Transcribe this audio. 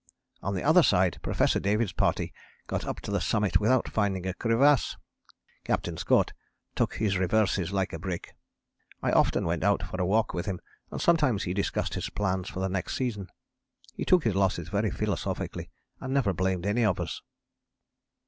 On the other side Professor David's party got up to the Summit without finding a crevasse. Captain Scott took his reverses like a brick. I often went out for a walk with him and sometimes he discussed his plans for next season. He took his losses very philosophically and never blamed any of us."